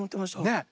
ねえ。